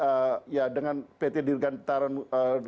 kita punya pengalaman dengan pt dirgantaran indonesia